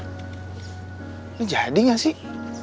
ini jadi ga sih